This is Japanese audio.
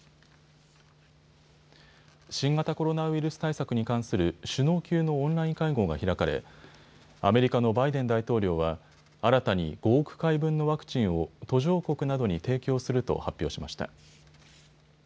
新型コロナウイルス対策に関する首脳級のオンライン会合が開かれアメリカのバイデン大統領は新たに５億回分のワクチンを途上国などに提供すると発表しました。